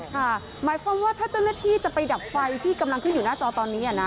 หมายความว่าถ้าเจ้าหน้าที่จะไปดับไฟที่กำลังขึ้นอยู่หน้าจอตอนนี้นะ